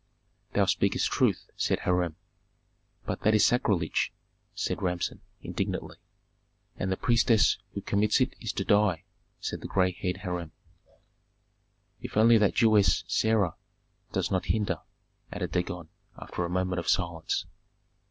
"Thou speakest truth," said Hiram. "But that is sacrilege!" said Rabsun, indignantly. "And the priestess who commits it is to die," said the gray haired Hiram. "If only that Jewess, Sarah, does not hinder," added Dagon, after a moment of silence.